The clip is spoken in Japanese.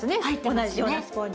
同じようなスポンジが。